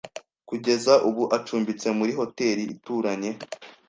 Kugeza ubu, acumbitse muri hoteri ituranye.